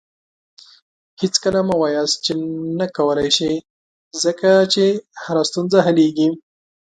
هېڅکله مه وایاست چې نه کولی شې، ځکه چې هره ستونزه حلیږي.